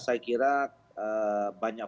saya kira banyak